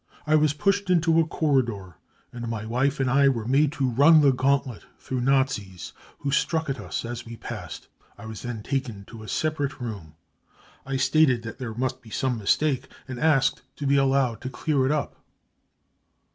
I was pushed into a corridor, and my wife and I were made to run the gauntlet through Nazis who struck at us as we passed. I was then taken to a separate room. I stated that there must be some mistake and asked to be allowed to clear it up."